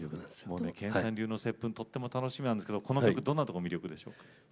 もうね剣さん流の「接吻」とっても楽しみなんですけどこの曲どんなところ魅力でしょうか？